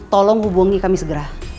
tolong hubungi kami segera